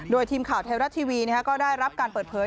โดยทีมข่าวไทยรัฐทีวีก็ได้รับการเปิดเผย